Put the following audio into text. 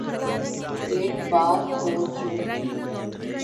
ایک بات پو چوں